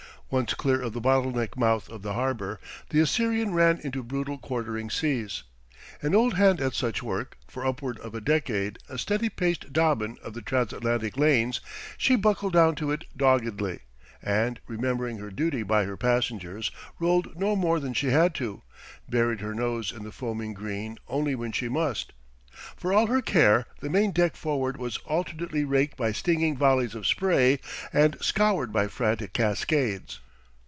Once clear of the bottleneck mouth of the harbour, the Assyrian ran into brutal quartering seas. An old hand at such work, for upward of a decade a steady paced Dobbin of the transatlantic lanes, she buckled down to it doggedly and, remembering her duty by her passengers, rolled no more than she had to, buried her nose in the foaming green only when she must. For all her care, the main deck forward was alternately raked by stinging volleys of spray and scoured by frantic cascades.